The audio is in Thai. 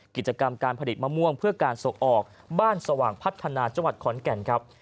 กิจกรรมการผลิตมะม่วงเพื่อการส่งออกบ้านสว่างพัฒนาจังหวัดขอนแก่นครับ